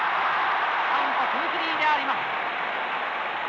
カウントツースリーであります。